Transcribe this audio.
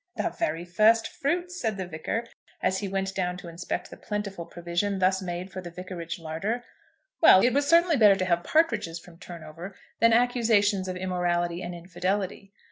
"The very first fruits," said the Vicar, as he went down to inspect the plentiful provision thus made for the vicarage larder. Well; it was certainly better to have partridges from Turnover than accusations of immorality and infidelity.